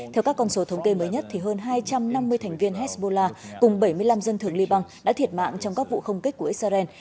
theo các con số thống kê mới nhất hơn hai trăm năm mươi thành viên hezbollah cùng bảy mươi năm dân thường liban đã thiệt mạng trong các vụ không kích của israel